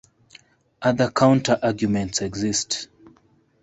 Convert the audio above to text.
Other counter-arguments exist.